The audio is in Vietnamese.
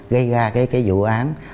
gây ra cái vụ án